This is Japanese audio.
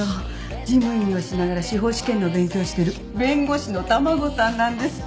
事務員をしながら司法試験の勉強してる弁護士の卵さんなんですって。